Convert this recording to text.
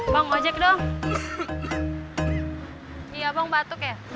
bapak sudah tau